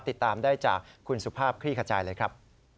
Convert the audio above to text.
ติดตามได้จากคุณสุภาพคลี่ขจายเลยครับ